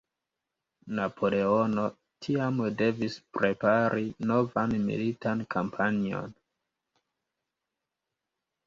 Napoleono tiam devis prepari novan militan kampanjon.